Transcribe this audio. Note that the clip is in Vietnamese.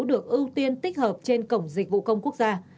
được ưu tiên tích hợp trên cổng dịch vụ công quốc gia